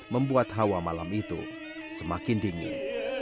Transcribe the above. membuat hawa malam itu semakin dingin